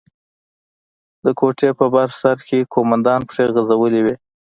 د کوټې په بر سر کښې قومندان پښې غځولې وې.